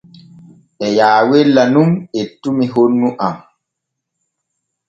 E yaawella nun ettumi honnu am.